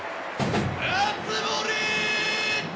熱盛！